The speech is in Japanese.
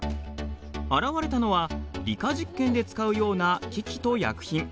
現れたのは理科実験で使うような機器と薬品。